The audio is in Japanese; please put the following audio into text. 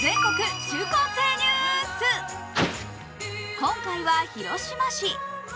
今回は広島市。